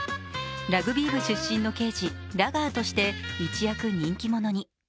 ラグビー部出身の刑事ラガーとして一躍人気者に。